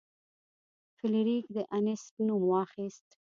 فلیریک د انیسټ نوم واخیست.